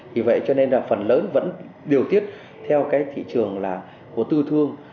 vì vậy cho nên là phần lớn vẫn điều tiết theo cái thị trường là của tư thương